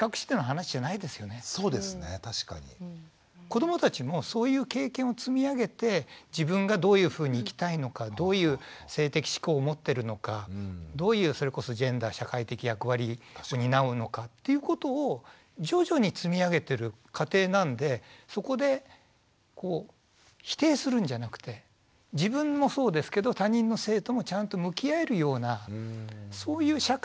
子どもたちもそういう経験を積み上げて自分がどういうふうに生きたいのかどういう性的嗜好を持ってるのかどういうそれこそジェンダー社会的役割を担うのかっていうことを徐々に積み上げてる過程なんでそこで否定するんじゃなくて自分もそうですけどそうですねえ。